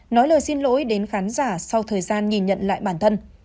nói lời xin lỗi đến khán giả sau thời gian nhìn nhận lại bản thân